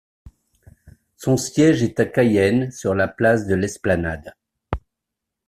Son siège est à Cayenne sur la place de l'Esplanade.